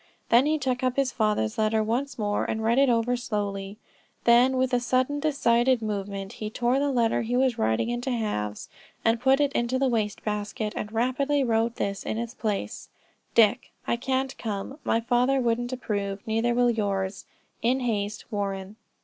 Then he took up his father's letter once more and read it over slowly; then with a sudden decided movement, he tore the letter he was writing into halves, and put it into the waste basket, and rapidly wrote this in it's place: "Dick: I can't come. My father wouldn't approve; neither will yours. In haste, Warren."